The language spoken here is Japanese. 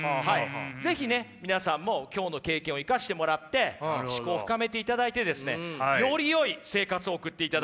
是非ね皆さんも今日の経験を生かしてもらって思考を深めていただいてですねよりよい生活を送っていただきたいと思います。